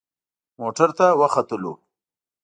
موټر ته وختلو.